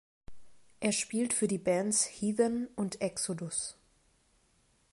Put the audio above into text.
Er spielt für die Bands Heathen und Exodus.